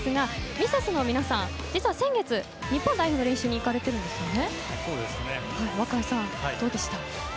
ミセスの皆さん、実は先月日本代表の練習に行かれているんですね？